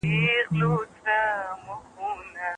رېدی د خپل پلار سره اصفهان ته د سوداګرۍ لپاره تلو.